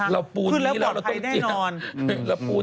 ขึ้นแล้วบอกใครแน่นอน